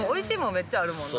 めっちゃあるもんな。